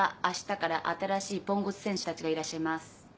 あしたから新しいポンコツ選手たちがいらっしゃいます。